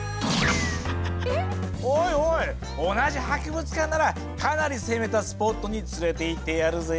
おいおい同じ博物館ならかなり攻めたスポットに連れていってやるぜ。